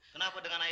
kenapa dengan ayah bu